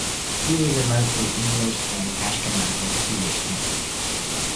He is of mostly English and Ashkenazi Jewish ancestry.